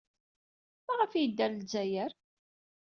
Maɣef ay yedda ɣer Lezzayer?